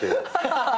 ハハハハ！